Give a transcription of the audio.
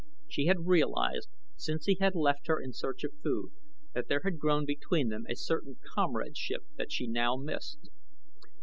She had realized, since he had left her in search of food, that there had grown between them a certain comradeship that she now missed.